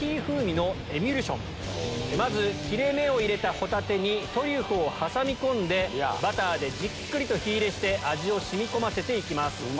まず切れ目を入れたホタテにトリュフを挟み込んでバターでじっくりと火入れして味を染み込ませて行きます。